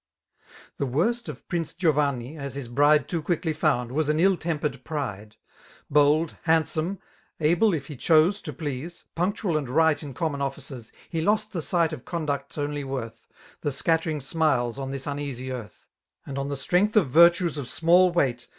The worst of Prince G^vanni^ as his bride Too quickly found, was an ill tempered pride. Bold, hands<Hne, able if he chose to please, Punctual and right in common offices^ He lost the sight of conduct's only worth. The scattering smiles on this uneasy earth, And<on the strength of virtues of small weight.